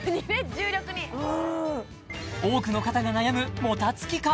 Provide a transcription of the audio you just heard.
重力に多くの方が悩むもたつき感